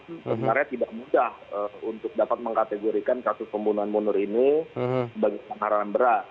sebenarnya tidak mudah untuk dapat mengkategorikan kasus pembunuhan munir ini sebagai pelanggaran berat